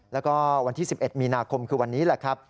แล้วก็วันที่๑๑มีนาคมคือวันนี้แหละครับ